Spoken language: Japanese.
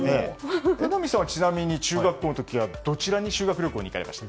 榎並さんはちなみに中学校の時はどちらに修学旅行に行かれました？